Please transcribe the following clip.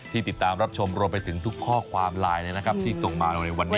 ติดตามรับชมรวมไปถึงทุกข้อความไลน์ที่ส่งมาในวันนี้